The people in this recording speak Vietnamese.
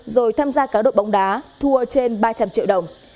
rồi tham gia cá độ bóng đá thua trên ba trăm linh triệu đồng